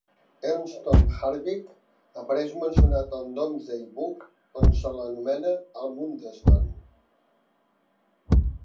Elmstone-Hardwicke apareix mencionat al "Domesday Book", on se l'anomena Almundeston.